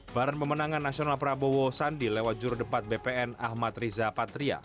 baran pemenangan nasional prabowo sandi lewat jurudebat bpn ahmad riza patria